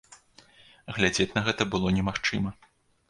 Глядзець на гэта было немагчыма.